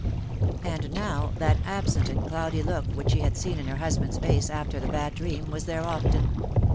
And now that absent and cloudy look which she had seen in her husband's face after the bad dream was there often.